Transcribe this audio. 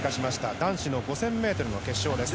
男子の５０００ｍの決勝です。